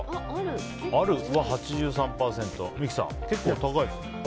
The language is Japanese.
あるが８３％三木さん、結構高いですね。